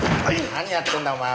何やってんだお前は。